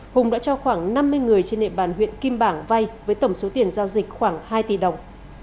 hùng đã cho khoảng năm mươi người trên địa bàn huyện kim bảng vay với tổng số tiền giao dịch khoảng hai tỷ đồng